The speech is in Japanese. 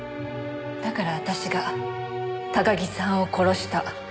だから私が高木さんを殺した。